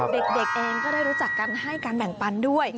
เด็กเองก็ได้รู้จักกันให้การแบ่งปันด้วย